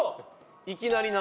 「いきなり謎」